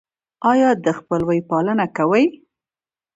ایا د خپلوۍ پالنه کوئ؟